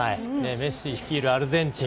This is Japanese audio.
メッシ率いるアルゼンチン。